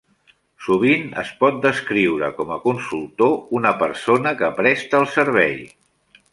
Sovint es pot descriure com a consultor una persona que presta el servei.